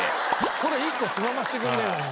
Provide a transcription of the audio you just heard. これ１個つまませてくれねえかな。